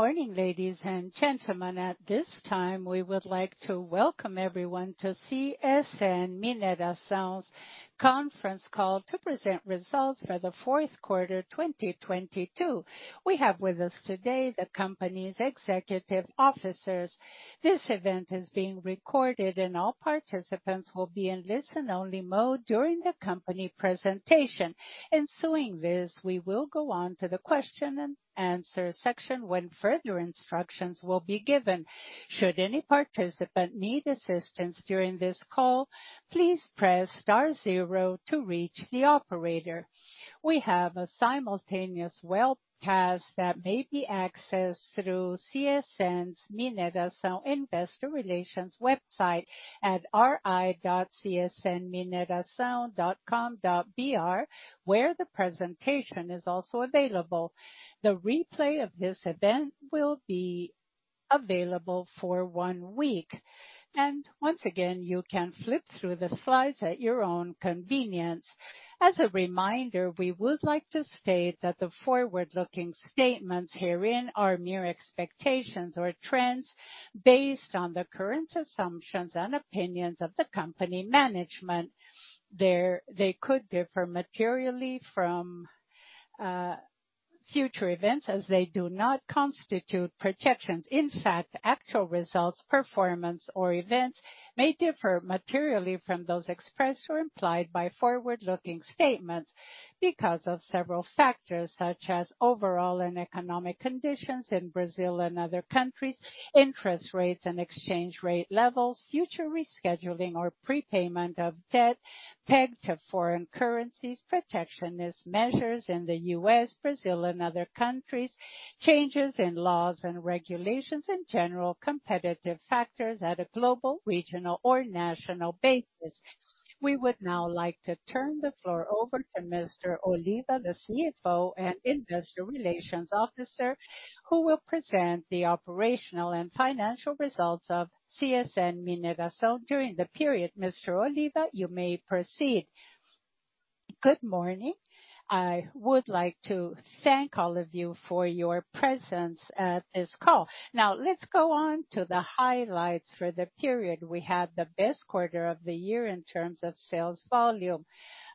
Good morning, ladies and gentlemen. At this time, we would like to welcome everyone to CSN Mineração's conference call to present results for the fourth quarter 2022. We have with us today the company's executive officers. This event is being recorded, and all participants will be in listen-only mode during the company presentation. Ensuing this, we will go on to the question and answer section when further instructions will be given. Should any participant need assistance during this call, please press star zero to reach the operator. We have a simultaneous webcast that may be accessed through CSN Mineração's investor relations website at ri.csnmineracao.com.br where the presentation is also available. The replay of this event will be available for one week. Once again, you can flip through the slides at your own convenience. As a reminder, we would like to state that the forward-looking statements herein are mere expectations or trends based on the current assumptions and opinions of the company management. They could differ materially from future events as they do not constitute projections. Actual results, performance, or events may differ materially from those expressed or implied by forward-looking statements because of several factors, such as overall and economic conditions in Brazil and other countries, interest rates and exchange rate levels, future rescheduling or prepayment of debt pegged to foreign currencies, protectionist measures in the U.S., Brazil, and other countries, changes in laws and regulations, and general competitive factors at a global, regional, or national basis. We would now like to turn the floor over to Mr. Oliva, the CFO and Investor Relations Officer, who will present the operational and financial results of CSN Mineração during the period. Mr. Oliva, you may proceed. Good morning. I would like to thank all of you for your presence at this call. Let's go on to the highlights for the period. We had the best quarter of the year in terms of sales volume,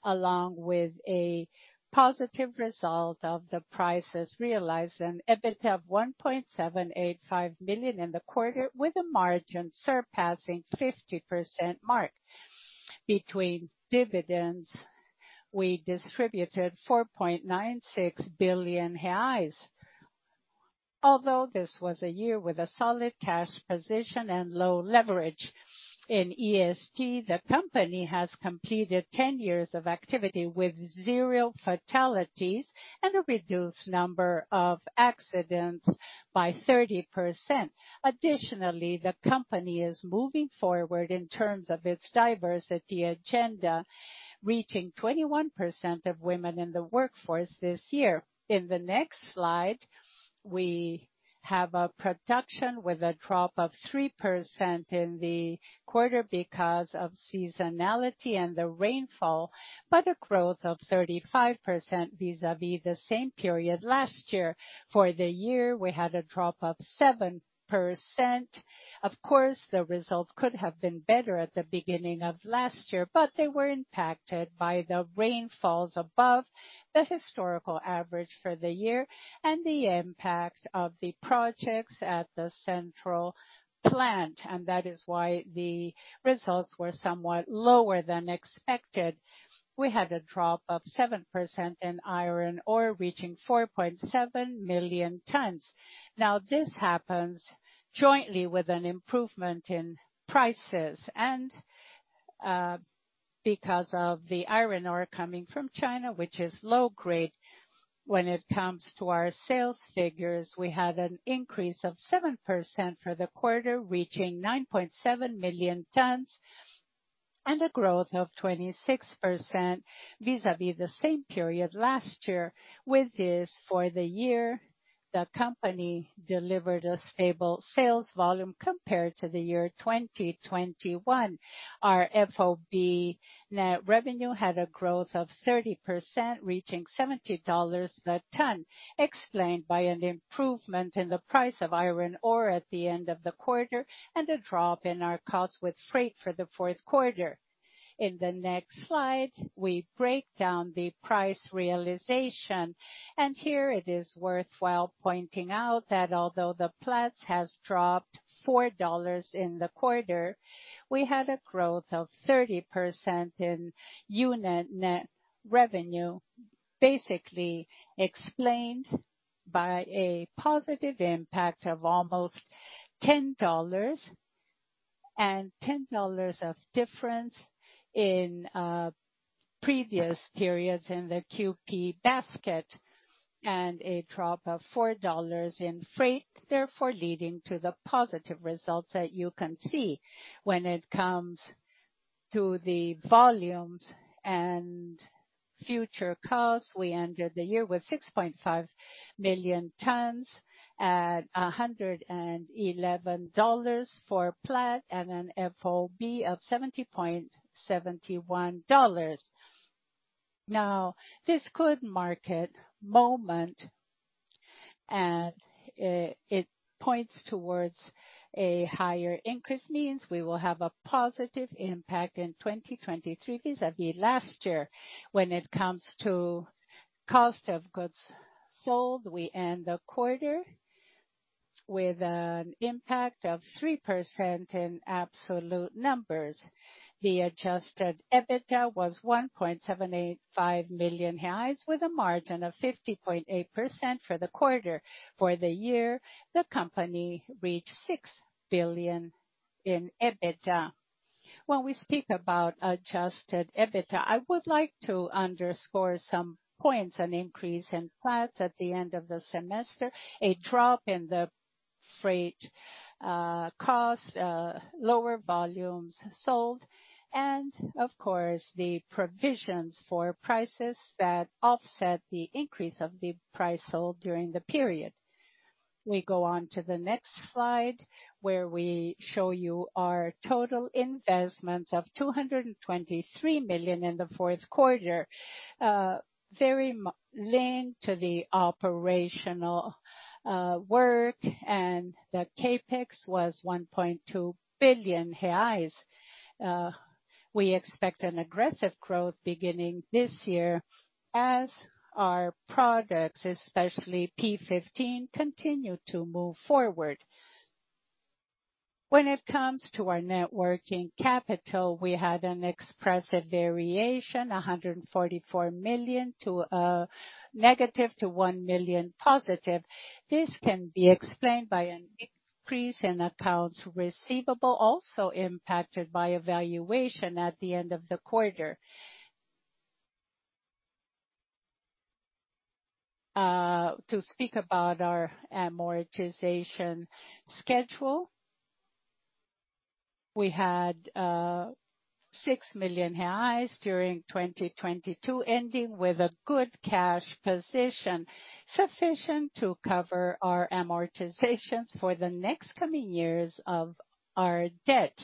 along with a positive result of the prices realized and EBITDA of 1.785 billion in the quarter, with a margin surpassing 50% mark. Between dividends, we distributed 4.96 billion reais. This was a year with a solid cash position and low leverage in ESG, the company has completed 10 years of activity with zero fatalities and a reduced number of accidents by 30%. The company is moving forward in terms of its diversity agenda, reaching 21% of women in the workforce this year. In the next slide, we have a production with a drop of 3% in the quarter because of seasonality and the rainfall, but a growth of 35% vis-à-vis the same period last year. For the year, we had a drop of 7%. Of course, the results could have been better at the beginning of last year, but they were impacted by the rainfalls above the historical average for the year and the impact of the projects at the central plant, and that is why the results were somewhat lower than expected. We had a drop of 7% in iron ore, reaching 4.7 million tons. This happens jointly with an improvement in prices and because of the iron ore coming from China, which is low grade. When it comes to our sales figures, we had an increase of 7% for the quarter, reaching 9.7 million tons and a growth of 26% vis-à-vis the same period last year. With this, for the year, the company delivered a stable sales volume compared to the year 2021. Our FOB net revenue had a growth of 30%, reaching $70 a ton, explained by an improvement in the price of iron ore at the end of the quarter and a drop in our cost with freight for the fourth quarter. In the next slide, we break down the price realization. Here it is worthwhile pointing out that although the Platts has dropped $4 in the quarter, we had a growth of 30% in unit net revenue, basically explained by a positive impact of almost $10 and $10 of difference in previous periods in the QP basket and a drop of $4 in freight, therefore, leading to the positive results that you can see. When it comes to the volumes and future costs, we ended the year with 6.5 million tons at $111 for Platts and an FOB of $70.71. This good market moment, and it points towards a higher increase means we will have a positive impact in 2023. Vis-a-vis last year, when it comes to cost of goods sold, we end the quarter with an impact of 3% in absolute numbers. The adjusted EBITDA was 1.785 million, with a margin of 50.8% for the quarter. For the year, the company reached 6 billion in EBITDA. When we speak about adjusted EBITDA, I would like to underscore some points. An increase in Platts at the end of the semester, a drop in the freight cost, lower volumes sold and of course, the provisions for prices that offset the increase of the price sold during the period. We go on to the next slide, where we show you our total investments of 223 million in the fourth quarter, very linked to the operational work. The CapEx was 1.2 billion reais. We expect an aggressive growth beginning this year as our products, especially P15, continue to move forward. When it comes to our net working capital, we had an expressive variation, 144 million to negative to 1 million+. This can be explained by an increase in accounts receivable, also impacted by evaluation at the end of the quarter. To speak about our amortization schedule. We had 6 million reais during 2022, ending with a good cash position, sufficient to cover our amortizations for the next coming years of our debt.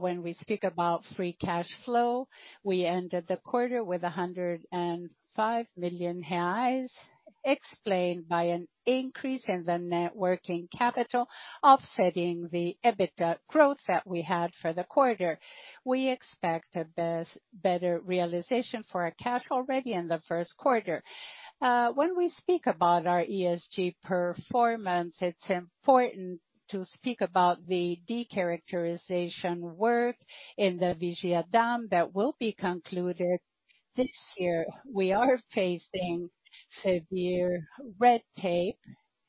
When we speak about free cash flow, we ended the quarter with 105 million, explained by an increase in the net working capital, offsetting the EBITDA growth that we had for the quarter. We expect a better realization for our cash already in the first quarter. When we speak about our ESG performance, it's important to speak about the decharacterization work in the Vigia Dam that will be concluded this year. We are facing severe red tape,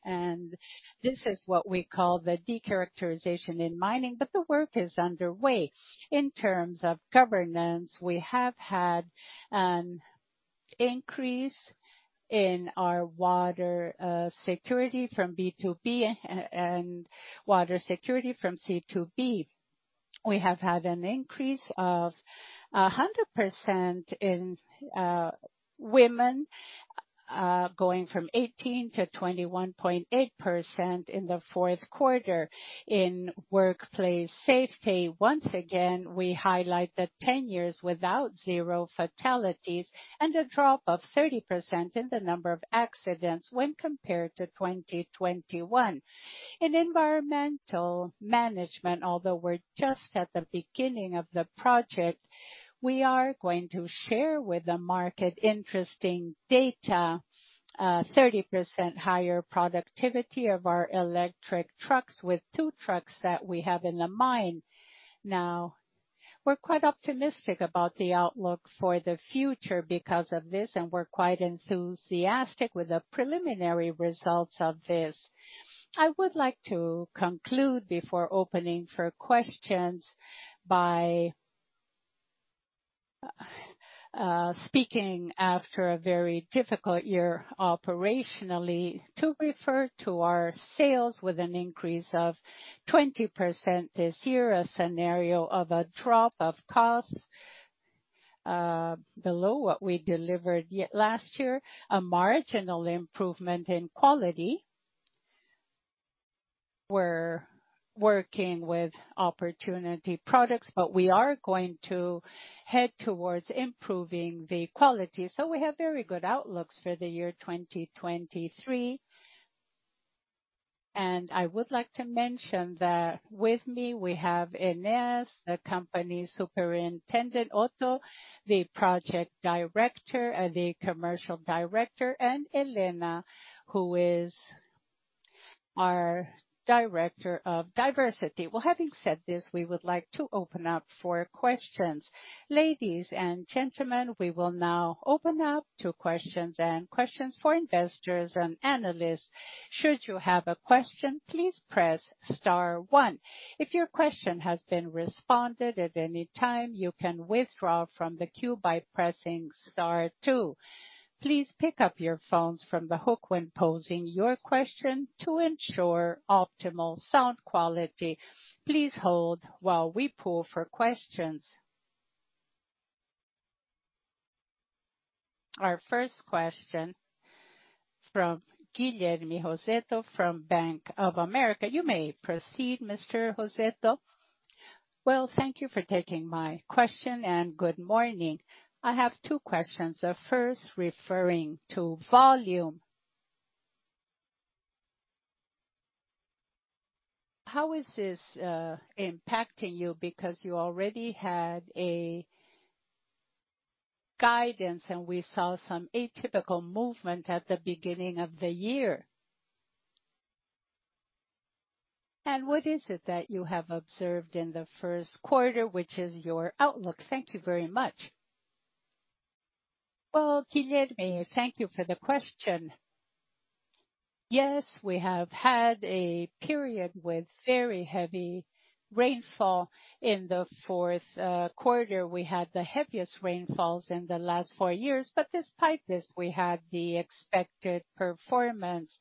and this is what we call the decharacterization in mining, but the work is underway. In terms of governance, we have had an increase in our water security from B to B and water security from C to B. We have had an increase of 100% in women, going from 18% to 21.8% in the fourth quarter. In workplace safety, once again, we highlight that 10 years without zero fatalities and a drop of 30% in the number of accidents when compared to 2021. In environmental management, although we're just at the beginning of the project, we are going to share with the market interesting data. 30% higher productivity of our electric trucks with two trucks that we have in the mine now. We're quite optimistic about the outlook for the future because of this, and we're quite enthusiastic with the preliminary results of this. I would like to conclude before opening for questions by speaking after a very difficult year operationally to refer to our sales with an increase of 20% this year. A scenario of a drop of costs below what we delivered last year. A marginal improvement in quality. We're working with opportunity products, but we are going to head towards improving the quality, so we have very good outlooks for the year 2023. I would like to mention that with me we have Ines, the company Superintendent, Otto, the Project Director and the Commercial Director, and Helena, who is our Director of Diversity. Well, having said this, we would like to open up for questions. Ladies and gentlemen, we will now open up to questions for investors and analysts. Should you have a question, please press star one. If your question has been responded at any time, you can withdraw from the queue by pressing star two. Please pick up your phones from the hook when posing your question to ensure optimal sound quality. Please hold while we poll for questions. Our first question from Guilherme Rosito from Bank of America. You may proceed, Mr. Rosito. Well, thank you for taking my question and good morning. I have two questions. The first referring to volume. How is this impacting you because you already had a guidance, and we saw some atypical movement at the beginning of the year. What is it that you have observed in the first quarter, which is your outlook? Thank you very much. Well, Guilherme, thank you for the question. Yes, we have had a period with very heavy rainfall in the fourth quarter. We had the heaviest rainfalls in the last four years, despite this, we had the expected performance.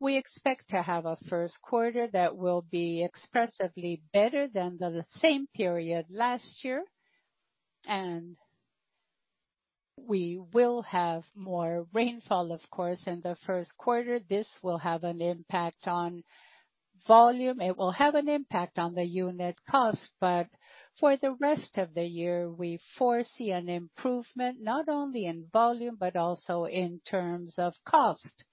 We expect to have a first quarter that will be expressively better than the same period last year. We will have more rainfall, of course, in the first quarter. This will have an impact on volume. It will have an impact on the unit cost. For the rest of the year, we foresee an improvement, not only in volume, but also in terms of cost.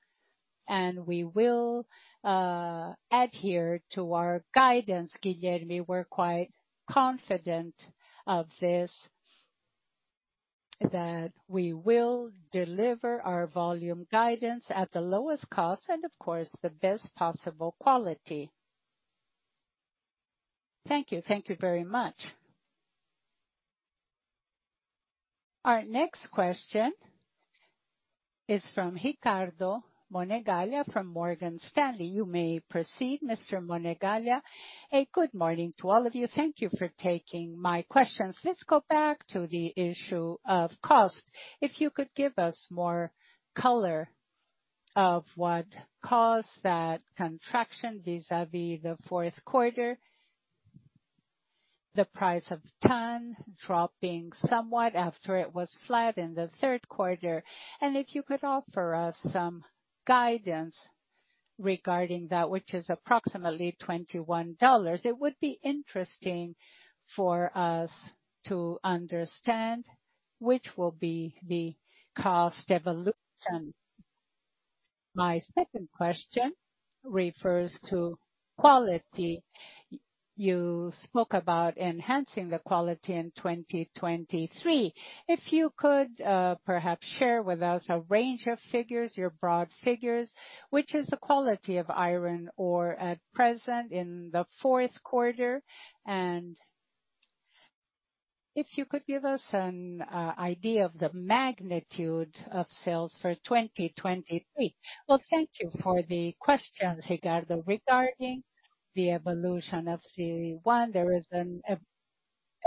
We will adhere to our guidance, Guilherme. We're quite confident of this, that we will deliver our volume guidance at the lowest cost and of course, the best possible quality. Thank you. Thank you very much. Our next question is from Ricardo Monegaglia from Morgan Stanley. You may proceed, Mr. Monegaglia. Hey, good morning to all of you. Thank you for taking my questions. Let's go back to the issue of cost. If you could give us more color of what caused that contraction vis-a-vis the fourth quarter, the price of ton dropping somewhat after it was flat in the third quarter, and if you could offer us some guidance regarding that, which is approximately $21, it would be interesting for us to understand which will be the cost evolution. My second question refers to quality. You spoke about enhancing the quality in 2023. If you could, perhaps share with us a range of figures, your broad figures, which is the quality of iron ore at present in the fourth quarter, and if you could give us an idea of the magnitude of sales for 2023. Well, thank you for the question, Ricardo. Regarding the evolution of C1, there is an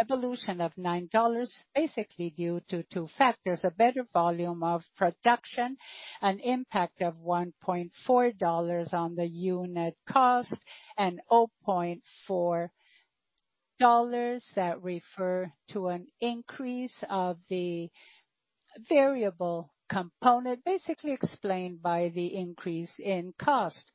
evolution of $9, basically due to two factors, a better volume of production, an impact of $1.4 on the unit cost and $0.4 that refer to an increase of the variable component, basically explained by the increase in cost.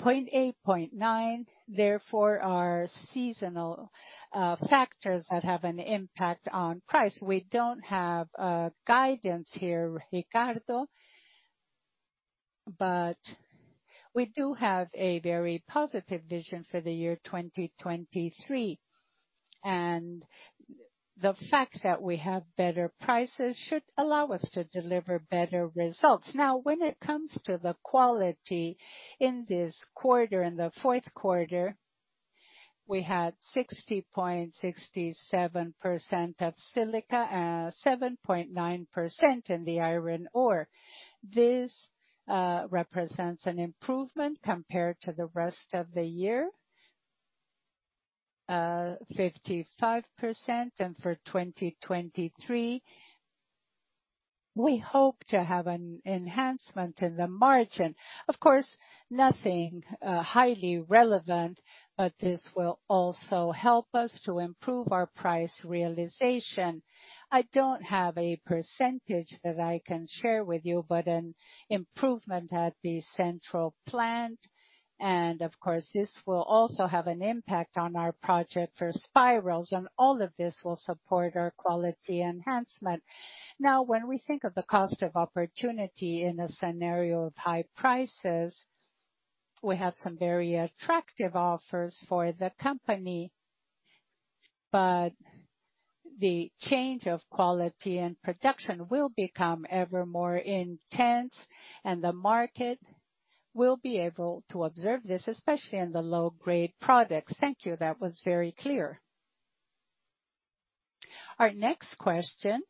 $0.8, $0.9, therefore, are seasonal factors that have an impact on price. We don't have guidance here, Ricardo, but we do have a very positive vision for the year 2023. The fact that we have better prices should allow us to deliver better results. Now, when it comes to the quality in this quarter, in the fourth quarter, we had 60.67% of silica, 7.9% in the iron ore. This represents an improvement compared to the rest of the year, 55%. For 2023, we hope to have an enhancement in the margin. Of course, nothing highly relevant, but this will also help us to improve our price realization. I don't have a percentage that I can share with you, but an improvement at the central plant, of course, this will also have an impact on our project for spirals, all of this will support our quality enhancement. When we think of the cost of opportunity in a scenario of high prices, we have some very attractive offers for the company. The change of quality and production will become ever more intense, and the market will be able to observe this, especially in the low-grade products. Thank you. That was very clear. Our next question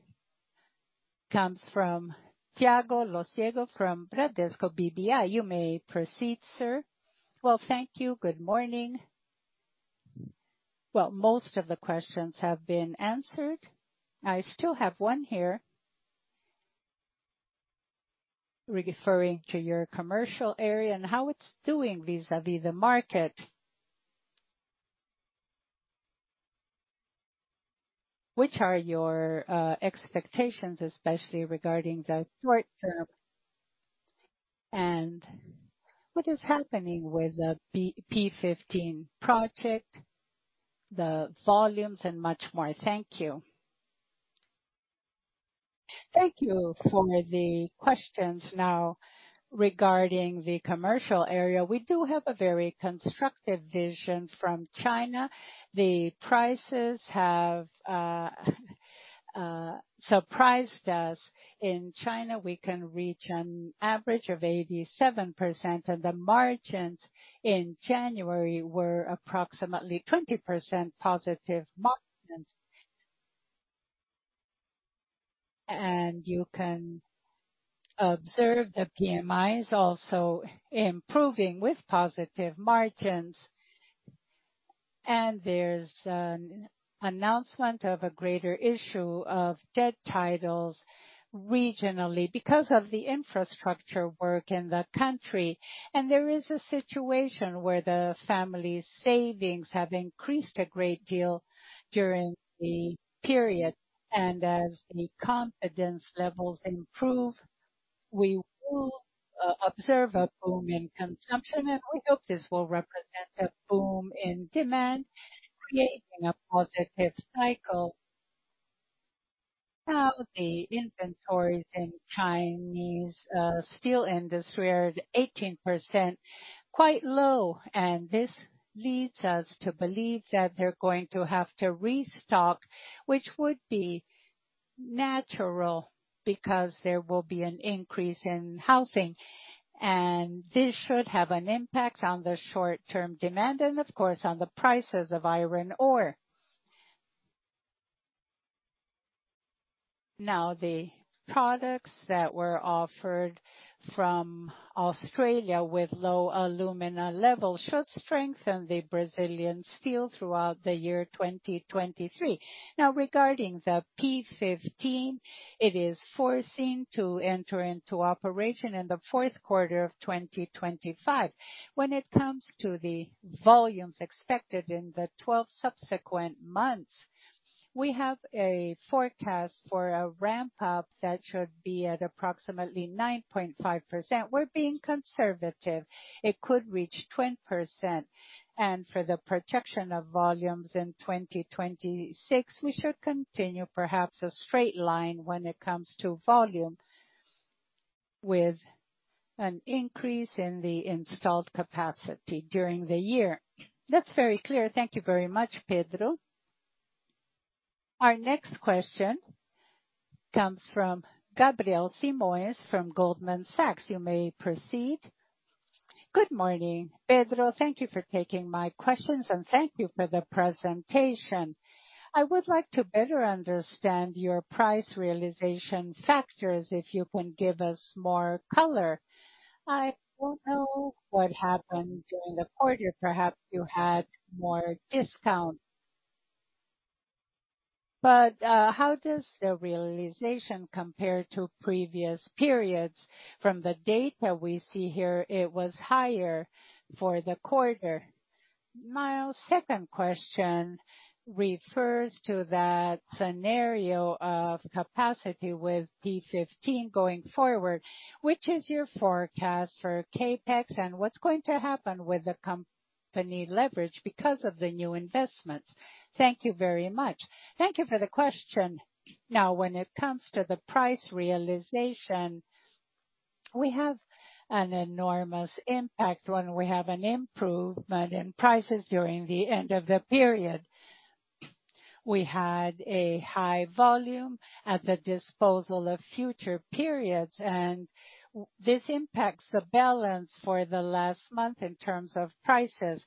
comes from Thiago Lofiego from Bradesco BBI. You may proceed, sir. Thank you. Good morning. Most of the questions have been answered. I still have one here referring to your commercial area and how it's doing vis-a-vis the market. Which are your expectations, especially regarding the short term? What is happening with the P15 project, the volumes, and much more. Thank you. Thank you for the questions. Regarding the commercial area, we do have a very constructive vision from China. The prices have surprised us. In China, we can reach an average of 87%, and the margins in January were approximately 20%+ margin. You can observe the PMIs also improving with positive margins. There's an announcement of a greater issue of debt titles regionally because of the infrastructure work in the country. There is a situation where the family's savings have increased a great deal during the period. As the confidence levels improve, we will observe a boom in consumption, and we hope this will represent a boom in demand, creating a positive cycle. Now, the inventories in Chinese steel industry are 18%, quite low, and this leads us to believe that they're going to have to restock, which would be natural because there will be an increase in housing. This should have an impact on the short-term demand and, of course, on the prices of iron ore. Now, the products that were offered from Australia with low alumina levels should strengthen the Brazilian steel throughout the year 2023. Now, regarding the P15, it is foreseen to enter into operation in the fourth quarter of 2025. When it comes to the volumes expected in the 12 subsequent months, we have a forecast for a ramp-up that should be at approximately 9.5%. We're being conservative. It could reach 20%. For the projection of volumes in 2026, we should continue perhaps a straight line when it comes to volume with an increase in the installed capacity during the year. That's very clear. Thank you very much, Pedro. Our next question comes from Gabriel Simões from Goldman Sachs. You may proceed. Good morning, Pedro. Thank you for taking my questions. Thank you for the presentation. I would like to better understand your price realization factors, if you can give us more color. I don't know what happened during the quarter. Perhaps you had more discount. How does the realization compare to previous periods? From the data we see here, it was higher for the quarter. My second question refers to that scenario of capacity with P15 going forward. Which is your forecast for CapEx? What's going to happen with the company leverage because of the new investments? Thank you very much. Thank you for the question. When it comes to the price realization, we have an enormous impact when we have an improvement in prices during the end of the period. We had a high volume at the disposal of future periods, and this impacts the balance for the last month in terms of prices.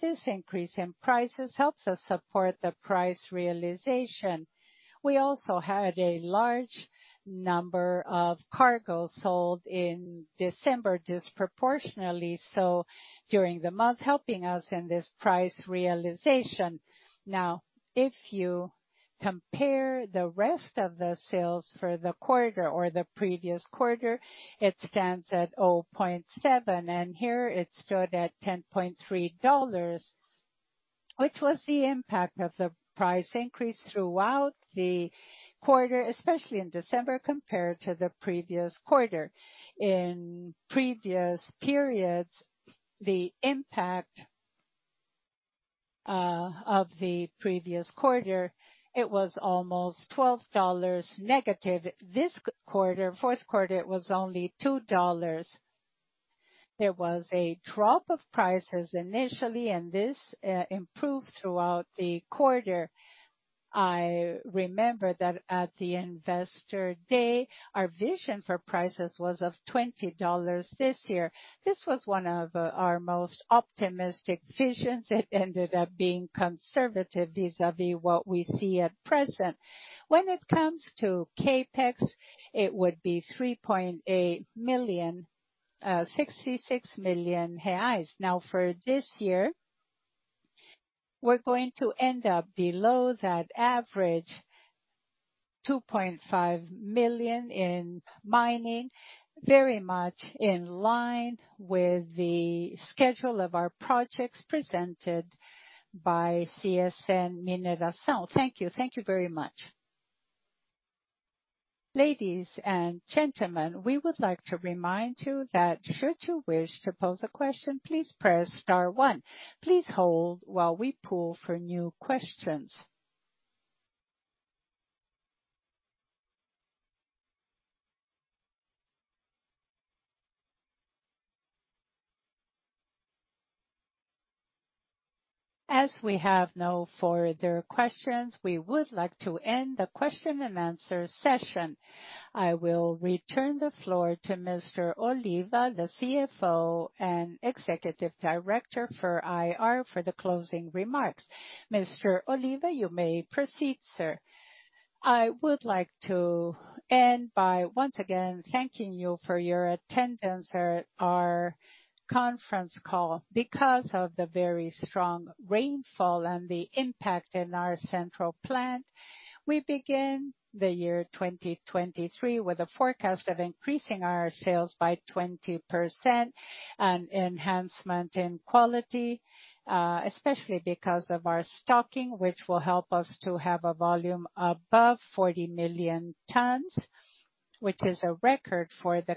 This increase in prices helps us support the price realization. We also had a large number of cargo sold in December disproportionately, so during the month, helping us in this price realization. If you compare the rest of the sales for the quarter or the previous quarter, it stands at $0.7, and here it stood at $10.3. Which was the impact of the price increase throughout the quarter, especially in December, compared to the previous quarter. In previous periods, the impact of the previous quarter, it was almost -$12. This quarter, fourth quarter, it was only $2. There was a drop of prices initially, and this improved throughout the quarter. I remember that at the Investor Day, our vision for prices was of $20 this year. This was one of our most optimistic visions. It ended up being conservative vis-a-vis what we see at present. When it comes to CapEx, it would be 3.8 million, 66 million reais. For this year, we're going to end up below that average 2.5 million in mining, very much in line with the schedule of our projects presented by CSN Mineração. Thank you. Thank you very much. Ladies and gentlemen, we would like to remind you that should you wish to pose a question, please press star one. Please hold while we pool for new questions. We have no further questions, we would like to end the question-and-answer session. I will return the floor to Mr. Oliva, the CFO and Executive Director for IR, for the closing remarks. Mr. Oliva, you may proceed, sir. I would like to end by once again thanking you for your attendance at our conference call. Because of the very strong rainfall and the impact in our central plant, we begin the year 2023 with a forecast of increasing our sales by 20% and enhancement in quality, especially because of our stocking, which will help us to have a volume above 40 million tons, which is a record for the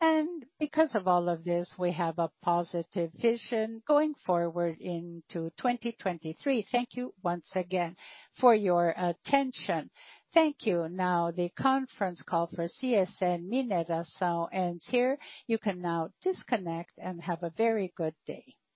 company. Because of all of this, we have a positive vision going forward into 2023. Thank you once again for your attention. Thank you. Now the conference call for CSN Mineração ends here. You can now disconnect and have a very good day.